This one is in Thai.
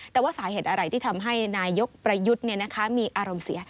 แต่ว่าสาเหตุอะไรที่ทำให้นายกประยุทธ์มีอารมณ์เสีย